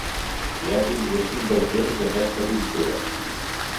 Hi ha fins a cinc versions d'aquesta pintura.